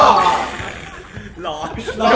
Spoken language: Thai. ร้อน